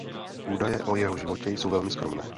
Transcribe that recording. Údaje o jeho životě jsou velmi skromné.